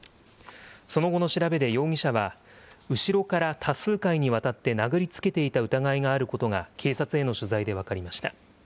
その後の調べで容疑者は、後ろから多数回にわたって殴りつけていた疑いがあることが、警察への取材で分かりました。